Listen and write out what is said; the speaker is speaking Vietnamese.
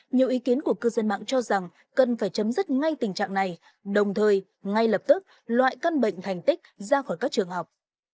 nhiều ý kiến của cư dân mạng cho rằng cần phải chấm dứt ngay tình trạng này đồng thời ngay lập tức loại căn bệnh thành tích ra khỏi các trường học